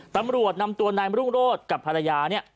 ตำรวจนำตัวนายมรุ่งโรธกับภรรยาเนี่ย